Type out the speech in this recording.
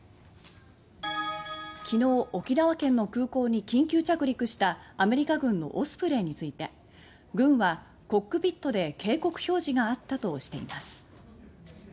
昨日、沖縄県の空港に緊急着陸したアメリカ軍のオスプレイについて軍は「コックピットで警告表示があった」としています